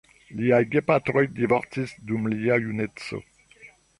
Liaj gepatroj divorcis dum lia juneco.